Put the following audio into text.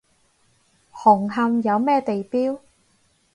紅磡有咩地標？